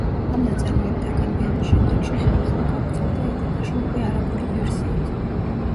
ამ ნაწარმოებთაგან ბევრი შემდეგში ხელახლა გავრცელდა ევროპაში უკვე არაბული ვერსიით.